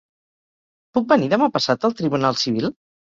Puc venir demà passat al tribunal civil?